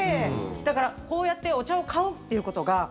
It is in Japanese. だから、こうやってお茶を買うっていうことが。